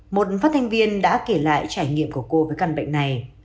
một phát thanh viên đã kể lại trải nghiệm của cô với căn bệnh này